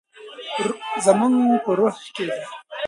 زموږ په روح کې ده.